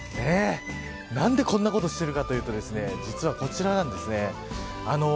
なんで、こんなことをしてるかというと実は、こちらなんですね。